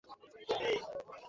কি বলিস কিছু হবে না?